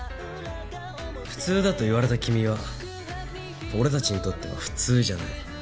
普通だと言われた君は俺たちにとっては普通じゃない。